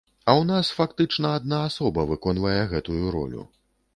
А ў нас фактычна адна асоба выконвае гэтую ролю.